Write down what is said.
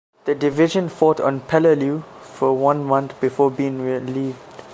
The division fought on Peleliu for one month before being relieved.